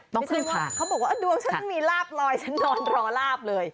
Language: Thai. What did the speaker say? ขึ้นค่ะเขาบอกว่าดวงฉันมีลาบลอยฉันนอนรอลาบเลย